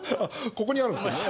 ここにあるんですけどね。